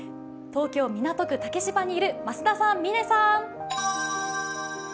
東京・港区竹芝にいる増田さん、嶺さん。